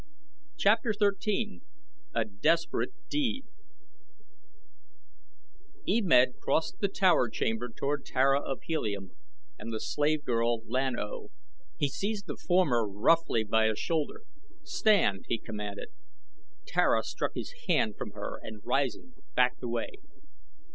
CHAPTER XIII A DESPERATE DEED E Med crossed the tower chamber toward Tara of Helium and the slave girl, Lan O. He seized the former roughly by a shoulder. "Stand!" he commanded. Tara struck his hand from her and rising, backed away.